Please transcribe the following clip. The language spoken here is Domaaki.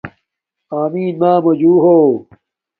آمݵن مݳمݸ جُݸ ہݸ